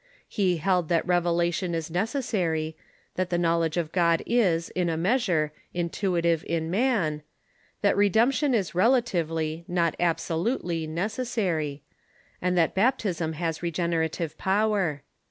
He held that revelation is nec essary ; that the knowledge of God is, in a measure, intuitive in mtin ; that redemption is relatively, not absolutely, neces sary; and that baptism has regenerative power.